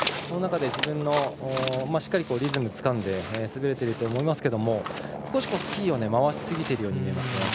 その中でしっかりリズムをつかんで滑れていると思いますけれども少し、スキーを回しすぎているように見えます。